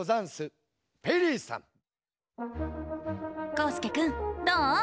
こうすけくんどう？